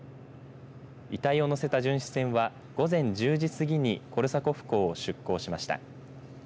遺体を乗せた巡視船は午前１０時過ぎにコルサコフ港を出港しました。